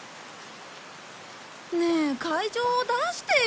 ねえ会場を出してよ。